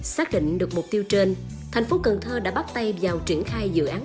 xác định được mục tiêu trên thành phố cần thơ đã bắt tay vào triển khai dự án